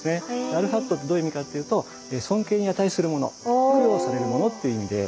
アルハットってどういう意味かっていうと尊敬に値するもの供養されるものっていう意味で。